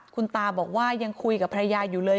คุณตาบอกว่ายังคุยกับภรรยาอยู่เลย